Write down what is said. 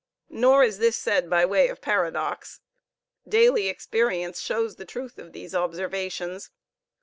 Nor is this said by way of paradox; daily experience shows the truth of these observations.